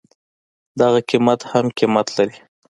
دغه قيمت هم قيمت لري.